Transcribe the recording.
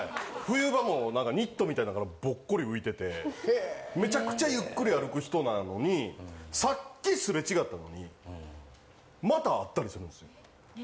冬場もなんか、ニットみたいなのがぼっこり浮いてて、めちゃくちゃゆっくり歩く人なのに、さっきすれ違ったのに、また会ったりするんですよ。